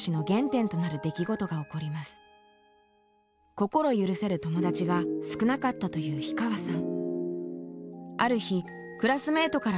心許せる友達が少なかったという氷川さん。